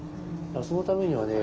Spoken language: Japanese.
そのためにはね